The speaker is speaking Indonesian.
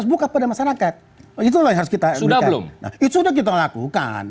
buka pada masyarakat itulah yang harus kita sudah belum nah itu sudah kita lakukan